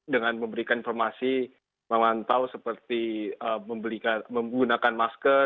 dengan memberikan informasi memantau seperti menggunakan masker